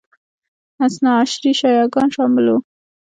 اثناعشري شیعه ګان شامل وو